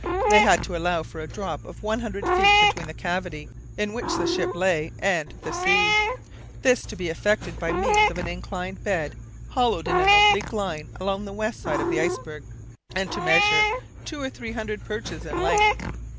They had to allow for a drop of one hundred feet between the cavity in which the ship lay and the sea; this to be effected by means of an inclined bed hollowed in an oblique line along the west side of the iceberg, and to measure two or three hundred perches in length.